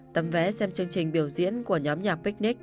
tấm vẽ xem chương trình biểu diễn của nhóm nhạc picnic